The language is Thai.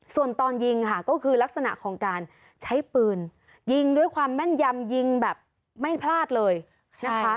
ส่วนตอนยิงค่ะก็คือลักษณะของการใช้ปืนยิงด้วยความแม่นยำยิงแบบไม่พลาดเลยนะคะ